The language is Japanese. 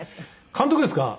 監督ですか？